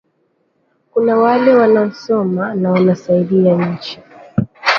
Kuna wale wanao soma nawana saidia inchi